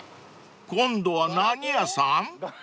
［今度は何屋さん？］